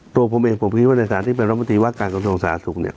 ตัวผมเองผมคิดว่าในสถานที่เป็นรัฐมนตรีว่าการกระทรวงสาธารณสุขเนี่ย